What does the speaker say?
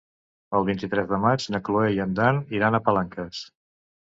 El vint-i-tres de maig na Cloè i en Dan iran a Palanques.